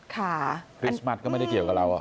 คริสต์มัสก็ไม่ได้เกี่ยวกับเรา